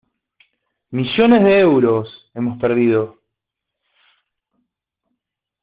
Millones de euros, hemos perdido.